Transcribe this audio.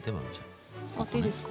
触っていいですか？